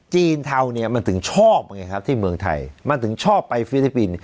เทาเนี่ยมันถึงชอบไงครับที่เมืองไทยมันถึงชอบไปฟิลิปปินส์